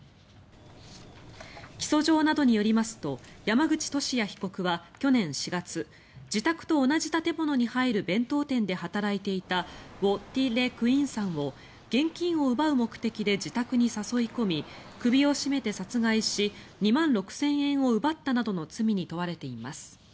起訴状などによりますと山口利家被告は去年４月自宅と同じ建物に入る弁当店で働いていたヴォ・ティ・レ・クインさんを現金を奪う目的で自宅に誘い込み首を絞めて殺害し２万６０００円を奪ったなどの罪に問われています。